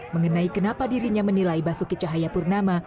mengenai kenapa dirinya menilai basuki cahayapurnama